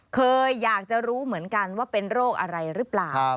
เคยอยากจะรู้เหมือนกันว่าเป็นโรคอะไรหรือเปล่า